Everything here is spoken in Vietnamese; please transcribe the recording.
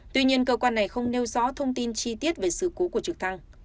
tuy nhiên cơ quan này không nêu rõ thông tin chi tiết về sự cố của trực thăng